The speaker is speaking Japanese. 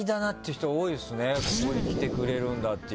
「ここに来てくれるんだ」っていう。